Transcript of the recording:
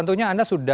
tentunya anda suka